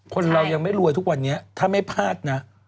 คนเรายังไม่รวยทุกวันนี้ถ้าไม่พลาดนะ